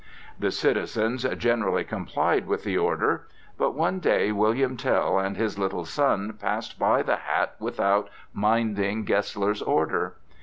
The citizens generally complied with the order. But one day William Tell and his little son passed by the hat without minding Gessler's order.